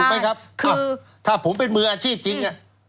ไหมครับถ้าผมเป็นมืออาชีพจริง